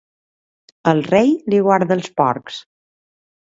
El Rei li guarda els porcs!